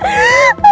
aku bencin diri aku